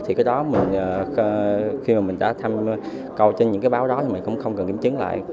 thì cái đó khi mà mình đã thăm câu trên những cái báo đó thì mình không cần kiểm chứng lại